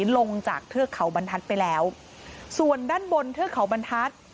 ลงจากเทือกเขาบรรทัศน์ไปแล้วส่วนด้านบนเทือกเขาบรรทัศน์